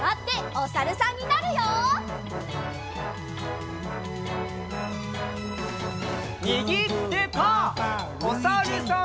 おさるさん。